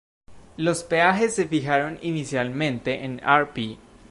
Los peajes se fijaron inicialmente en Rp.